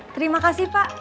terima kasih pak